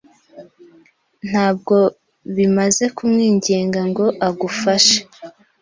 Ntabwo bimaze kumwinginga ngo agufashe.